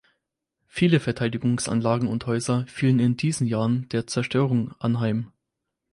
Viele Verteidigungsanlagen und Häuser fielen in diesen Jahren der Zerstörung anheim.